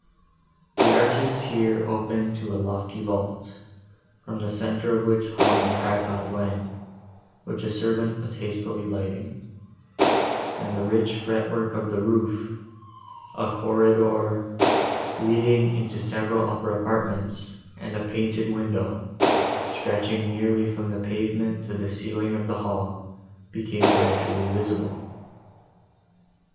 The arches here opened to a lofty vault, from the centre of which hung a tripod lamp, which a servant was hastily lighting; and the rich fret work of the roof, a corridor, leading into several upper apartments, and a painted window, stretching nearly from the pavement to the ceiling of the hall, became gradually visible.